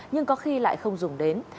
nhưng có khi lại không dùng đến